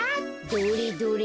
どれどれ。